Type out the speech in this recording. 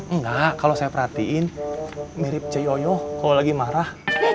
enggak kalau saya perhatiin mirip ceyo kalau lagi marah